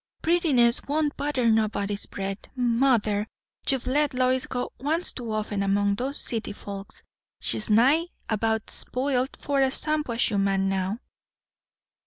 "Prettiness won't butter nobody's bread. Mother, you've let Lois go once too often among those city folks. She's nigh about sp'iled for a Shampuashuh man now."